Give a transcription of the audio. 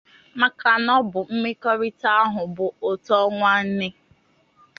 maka na ọ bụ mmekọrịta ahụ bụ ụtọ nwanne.